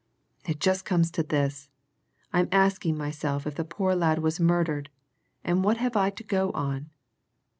"It just comes to this I'm asking myself if the poor lad was murdered! And what have I to go on?